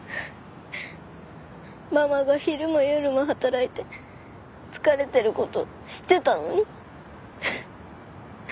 ママが昼も夜も働いて疲れてる事知ってたのに。